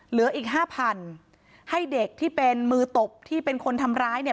เหลืออีกห้าพันให้เด็กที่เป็นมือตบที่เป็นคนทำร้ายเนี่ย